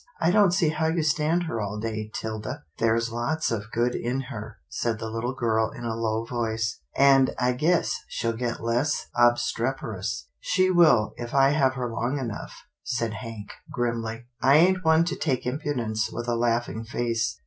" I don't see how you stand her all day, 'Tilda." " There's lots of good in her," said the little girl in a low voice, " and I guess she'll get less obstrep erous." " She will, if I have her long enough," said Hank, grimly. " I ain't one to take impudence with a laughing face.